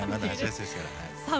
さあ